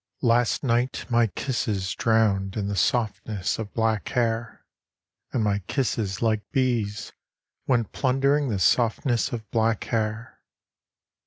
LAST night my kisses drowned in the softness of black hair, And my kisses like bees went plundering the softness of black hair.